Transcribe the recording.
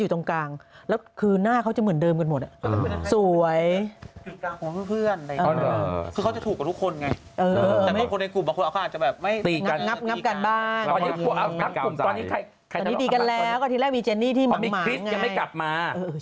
ตอนนี้ตีกันแล้วก็ทีหน้ามีเจนี่ที่หมา